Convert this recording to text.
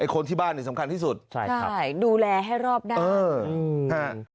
คนที่บ้านสำคัญที่สุดดูแลให้รอบด้าน